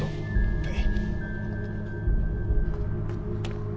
はい。